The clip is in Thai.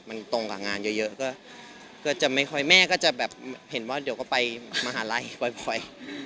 มันตรงกับงานเยอะก็จะไม่ค่อยแม่ก็จะแบบเห็นว่าเดี๋ยวก็ไปมหาลัยบ่อย